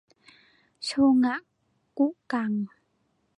โชงะกุกัง